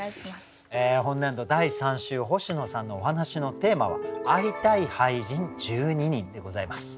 本年度第３週星野さんのお話のテーマは「会いたい俳人、１２人」でございます。